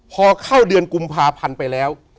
พอเข้าเดือนกุมภาพันธ์ไปแล้ว